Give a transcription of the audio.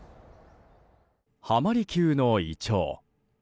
浜離宮のイチョウ。